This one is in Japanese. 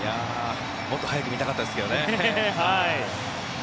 もっと早く見たかったですけどね。